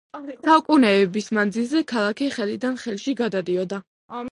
საუკუნეების მანძილზე ქალაქი ხელიდან ხელში გადადიოდა.